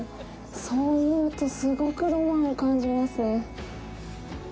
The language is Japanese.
そう思うと、すごくロマンを感じますね。